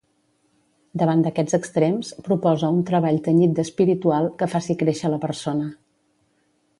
Davant d'aquests extrems, proposa un treball tenyit d'espiritual, que faci créixer la persona.